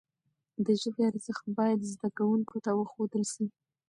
د ژبي ارزښت باید زدهکوونکو ته وښودل سي.